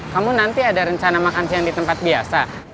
kamu nanti ada rencana makan siang di tempat biasa